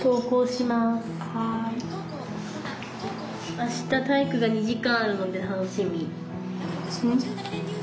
「明日体育が２時間あるので楽しみ」。